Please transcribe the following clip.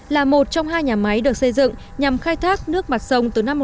là một trong hai nhà máy được xây dựng nhằm khai thác nước mặt sông từ năm một nghìn chín trăm bảy